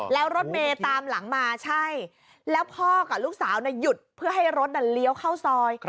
แล้วรถเมย์ตามหลังมาใช่แล้วพ่อกับลูกสาวหยุดเพื่อให้รถเลี้ยวเข้าซอย